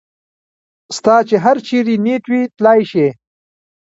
ستا چې هر چېرې نیت وي تلای شې.